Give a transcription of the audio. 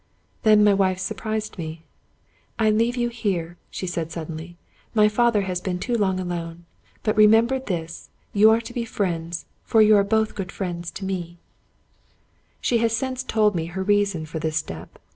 Then my wife surprised me. " I leave you here," she said suddenly. " My father has been too long alone. But remember this: you are to be friends, for you are both good friends to me." 187 Scotch Mystery Stories She has since told me her reason for this step.